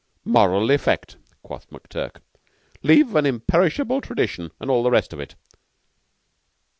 "Moral effect," quoth McTurk. "Leave an imperishable tradition, and all the rest of it."